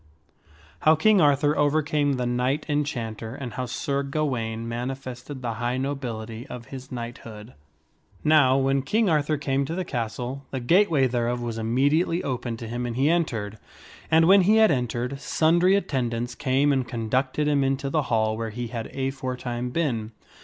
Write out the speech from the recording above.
How King Arthur Overcame the Knight Enchanter, and How Sir Gawaine Manifested the High Nobility of His Knighthood. NOW, when King Arthur came to the castle, the gateway thereof was immediately opened to him and he entered. And when he had entered, sundry attendants came and conducted him into the hall where he had aforetime been.